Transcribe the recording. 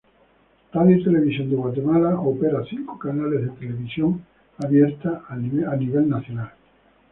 Radio y Televisión de Guatemala opera cinco canales de televisión abierta al nivel nacional.